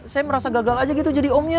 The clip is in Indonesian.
saya merasa gagal aja gitu jadi omnya